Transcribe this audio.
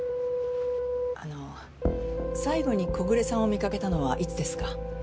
あの最後に小暮さんを見かけたのはいつですか？